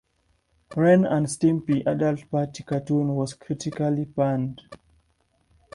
"Ren and Stimpy: Adult Party Cartoon" was critically panned.